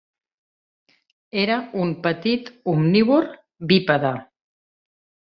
Era un petit omnívor bípede.